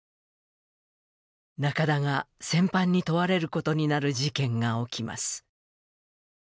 中田が戦犯に問われることになる事件が起きます。